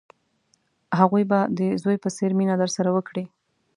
هغوی به د زوی په څېر مینه درسره وکړي.